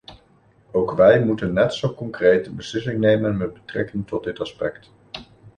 Ook wij moeten, net zo concreet, een beslissing nemen met betrekking tot dit aspect.